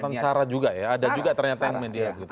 muatan syarat juga ya ada juga ternyata media gitu